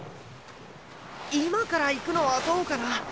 今から行くのはどうかな？